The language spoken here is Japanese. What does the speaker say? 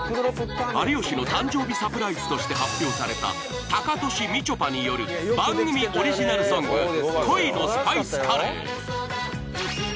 有吉の誕生日サプライズとして発表されたタカトシみちょぱによる番組オリジナルソング『恋のスパイスカレーｅｅｅｅｅ！』。